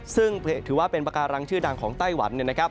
ซึ่งถือว่าเป็นปากการังชื่อดังของไต้หวัน